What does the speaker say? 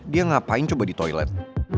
dia ngapain coba di toilet